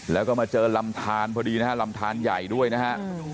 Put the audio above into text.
แล้วก็มาเจอลำทานพอดีนะฮะลำทานใหญ่ด้วยนะฮะ